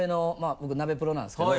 僕「ナベプロ」なんですけど。